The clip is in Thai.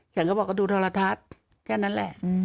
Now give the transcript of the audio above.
ฉันก็บอกว่าดูโทรทัศน์แค่นั้นแหละ